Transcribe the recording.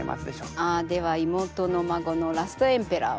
ああでは妹の孫のラストエンペラーを。